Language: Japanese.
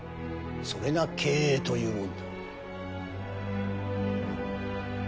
それが経営というものだ。